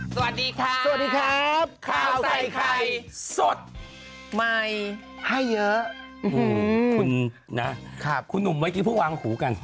สวัสดีครับสวัสดีครับข้าวใส่ไข่สดใหม่ให้เยอะนะครับคุณหนุ่มไว้กินผู้วางหูกัน